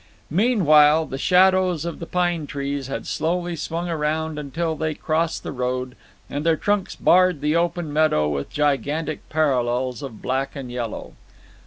Meanwhile the shadows of the pine trees had slowly swung around until they crossed the road, and their trunks barred the open meadow with gigantic parallels of black and yellow.